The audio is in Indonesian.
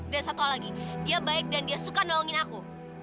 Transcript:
dan satu lagi dia baik dan dia suka nolongin aku